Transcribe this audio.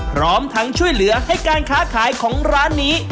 พร้อมทั้งช่วยเหลือให้การค้าขายของร้านนี้